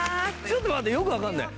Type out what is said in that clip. ちょっと待ってよくわかんない。